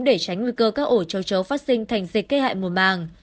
để tránh nguy cơ các ổ châu chấu phát sinh thành dịch cây hại mùa màng